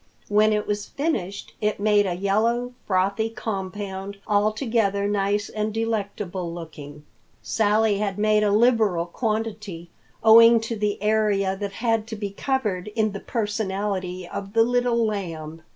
When it was finished, it made a yellow, frothy compound, altogether nice and delectable looking. Sally had made a liberal quantity, owing to the area that had to be covered in the personality of the Little Lamb.